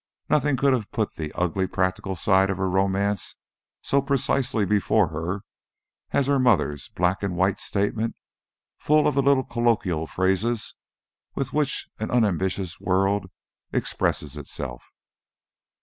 Nothing could have put the ugly practical side of her romance so precisely before her as her mother's black and white statement, full of the little colloquial phrases with which an un ambitious world expresses itself.